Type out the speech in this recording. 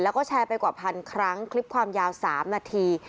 แล้วก็แชร์ไปกว่าพันครั้งคลิปความยาว๓นาที